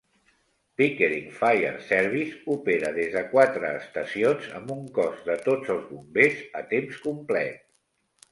Pickering Fire Services opera des de quatre estacions amb un cos de tots els bombers a temps complet.